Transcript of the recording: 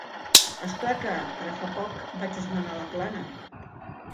És clar que, ara fa poc, vaig esmenar la plana.